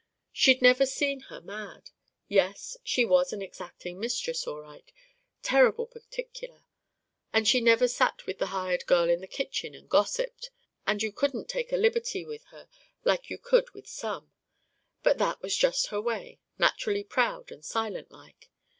She'd never seen her mad. Yes, she was an exacting mistress, all right, terrible particular, and she never sat with the hired girl in the kitchen and gossiped, and you couldn't take a liberty with her like you could with some; but that was just her way, naturally proud and silent like.